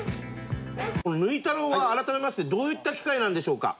ぬい太郎は改めましてどういった機械なんでしょうか？